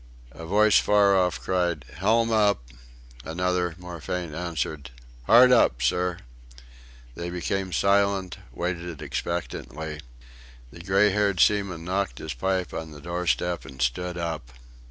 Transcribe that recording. A voice far off cried, "Helm up!" another, more faint, answered, "Hard up, sir!" They became silent waited expectantly. The grey haired seaman knocked his pipe on the doorstep and stood up.